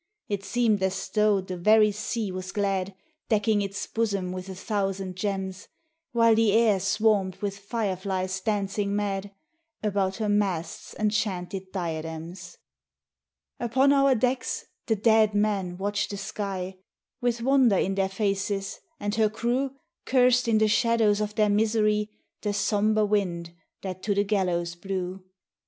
It seemed as though the very sea was glad Decking its bosom with a thousand gems, While the air swarmed with fireflies dancing mad About her masts' enchanted diadems. Upon our decks the dead men watched the sky With wonder in their faces, and her crew Cursed in the shadows of their misery The sombre wind that to the gallows blew.